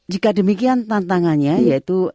jika demikian tantangannya yaitu